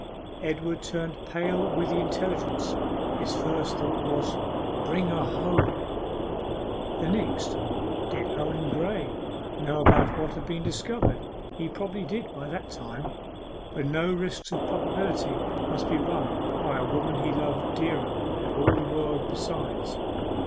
Edward turned pale with the intelligence. His first thought was, 'Bring her home!' The next did Owen Graye know what had been discovered? He probably did by that time, but no risks of probability must be run by a woman he loved dearer than all the world besides.